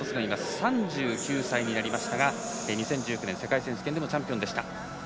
３９歳になりましたが２０１９年世界選手権のチャンピオンでした。